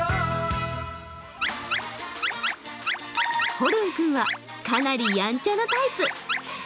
ホルン君はかなりやんちゃなタイプ。